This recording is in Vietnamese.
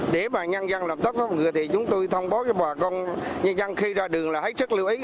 để mà nhân dân lập tất phong người thì chúng tôi thông bố cho bà con nhân dân khi ra đường là hãy sức lưu ý